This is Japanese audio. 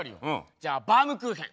じゃあ「バウムクーヘン」。